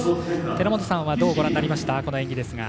寺本さんは、この演技どうご覧になりました？